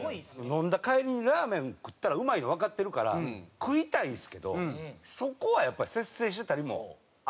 飲んだ帰りにラーメン食ったらうまいのわかってるから食いたいんですけどそこはやっぱ節制してたりもあるんですよね。